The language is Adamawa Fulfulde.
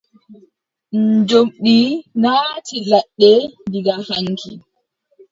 Njoɓndi naati ladde diga haŋki.